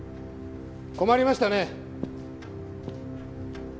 困りましたね。